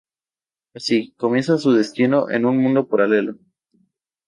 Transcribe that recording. Así, comienza su destino en un mundo paralelo.